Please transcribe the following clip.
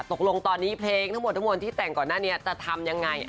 ตกลงตอนนี้เพลงทั้งหมดทั้งมวลที่แต่งก่อนหน้านี้จะทำยังไง